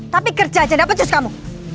tapi kerja aja gak penjus kamu